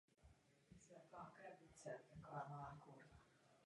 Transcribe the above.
Historie sběratelství sahá hluboko za moderní koníčky.